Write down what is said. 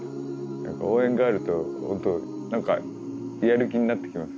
応援があると本当何かやる気になってきます。